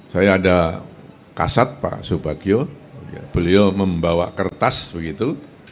saya ada kasat pak subagio beliau membawa kertas begitu